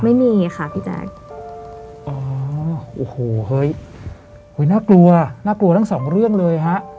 ไม่มีค่ะพี่แจ๊คอ๋อโอ้โหเฮ้ยน่ากลัวน่ากลัวทั้งสองเรื่องเลยฮะ